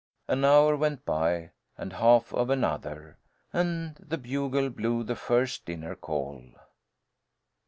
An hour went by, and half of another, and the bugle blew the first dinner call.